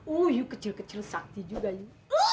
oh yuk kecil kecil sakti juga yuk